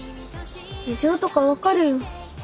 事情とか分かるよ。